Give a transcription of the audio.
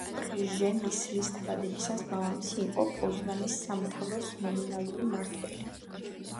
პრჟემისლის დაბადებისას მამამისი იყო პოზნანის სამთავროს ნომინალური მმართველი.